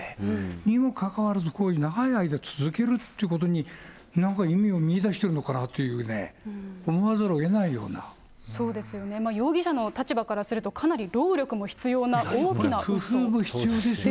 にもかかわらず、こういう長い間続けるってことに、なんか意味を見いだしてるのかなというね、思わざるをえないようそうですよね、容疑者の立場からすると、工夫も必要ですよね。